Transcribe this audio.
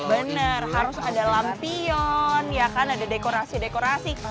bener harus ada lampion ya kan ada dekorasi dekorasi